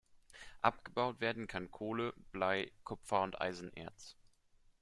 Abgebaut werden kann Kohle, Blei, Kupfer und Eisenerz.